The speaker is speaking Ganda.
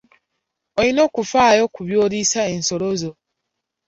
Olina okufaayo ku by'oliisa ensolo zo.